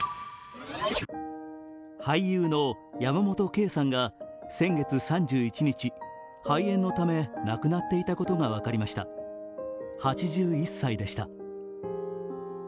俳優の山本圭さんが先月３１日、肺炎のため亡くなっていたことが分かりました、８１歳でした。